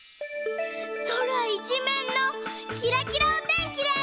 そらいちめんのキラキラおてんきです！